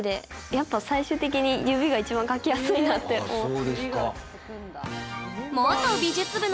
やっぱ最終的に指が一番描きやすいなって思って。